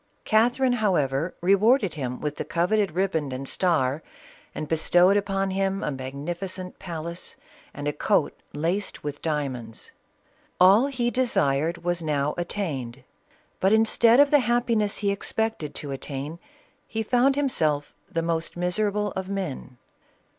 Catherine however rewarded him with the coveted riband and star, and bestowed upon him a magnificent palace and a coat laced with diamonds. All he desired was now attain ed, but instead of the happiness he expected to attain he found himself the most miserable of men.